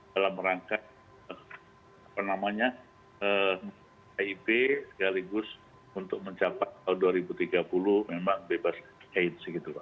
dalam rangka kip sekaligus untuk mencapai tahun dua ribu tiga puluh memang bebas aids gitu